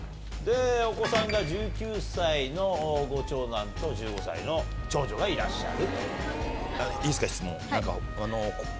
お子さんが１９歳のご長男と１５歳の長女がいらっしゃる。